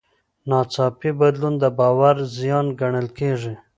ناڅاپي بدلون د باور زیان ګڼل کېږي.